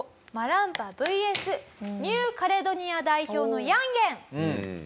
マランパＶＳニューカレドニア代表のヤンゲン。